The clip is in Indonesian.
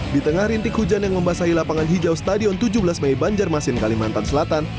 di tengah rintik hujan yang membasahi lapangan hijau stadion tujuh belas mei banjarmasin kalimantan selatan